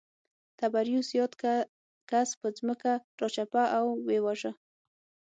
تبریوس یاد کس پر ځمکه راچپه او ویې واژه